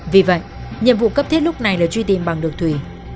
vì vậy nhiệm vụ cấp thiết lúc này là truy tìm bằng đường thủy